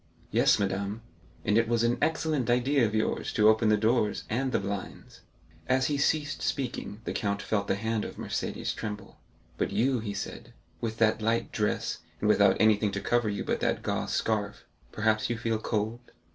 "Yes, madame; and it was an excellent idea of yours to open the doors and the blinds." As he ceased speaking, the count felt the hand of Mercédès tremble. "But you," he said, "with that light dress, and without anything to cover you but that gauze scarf, perhaps you feel cold?"